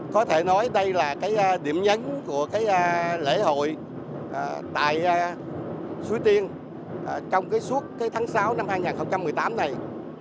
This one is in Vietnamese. có thể nói đây là cái điểm nhấn của lễ hội tại suối tiên trong suốt tháng sáu năm hai nghìn một mươi tám này